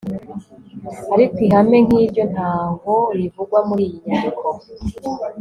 ariko ihame nk'iryo ntaho rivugwa muri iyi nyandiko